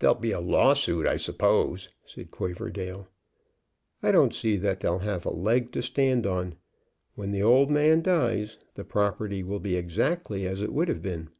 "There'll be a lawsuit, I suppose?" said Quaverdale. "I don't see that they'll have a leg to stand on. When the old man dies the property will be exactly as it would have been.